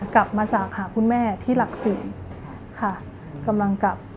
กลับมาจากหาคุณแม่ที่หลักศรีค่ะกำลังกลับ